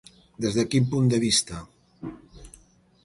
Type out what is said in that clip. Des de quin punt de vista?